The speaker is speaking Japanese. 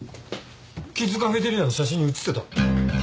キッズカフェテリアの写真に写ってた。